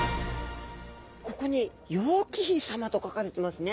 ここに「楊貴妃」さまと書かれてますね。